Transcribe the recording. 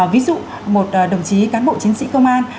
ví dụ một đồng chí cán bộ chiến sĩ công an